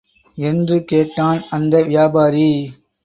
என்று கேட்டான் அந்த வியாபாரி.